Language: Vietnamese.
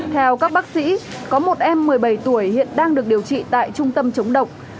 theo các bác sĩ có một em một mươi bảy tuổi hiện đang được điều trị tại trung tâm chống độc